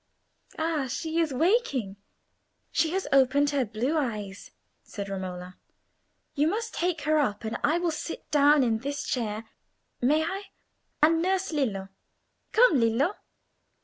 "Ah! she is waking: she has opened her blue eyes," said Romola. "You must take her up, and I will sit down in this chair—may I?—and nurse Lillo. Come, Lillo!"